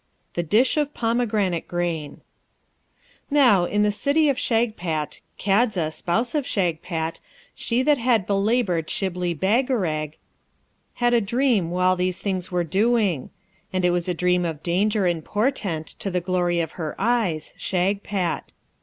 THE DISH OF POMEGRANATE GRAIN Now, in the City of Shagpat, Kadza, spouse of Shagpat, she that had belaboured Shibli Bagarag, had a dream while these things were doing; and it was a dream of danger and portent to the glory of her eyes, Shagpat.